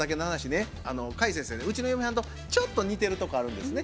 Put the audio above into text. ねうちの嫁はんとちょっと似てるとこあるんですね。